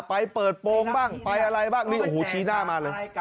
ไปเปิดโปรงบ้างไปอะไรบ้างนี่โอ้โหชี้หน้ามาเลย